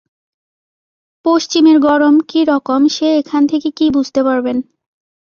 পশ্চিমের গরম কি রকম সে এখান থেকে কি বুঝতে পারবেন!